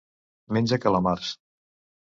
Menja calamars.